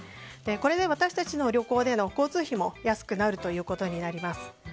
これで私たちの旅行での交通費も安くなるということになります。